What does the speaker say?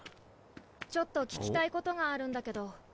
ちょっと聞きたいことがあるんだけど。